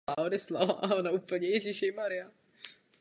Ostatně z něj lze rozpustnost dané látky vypočítat.